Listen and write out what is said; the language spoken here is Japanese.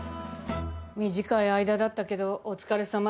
短い間だったけどお疲れさま。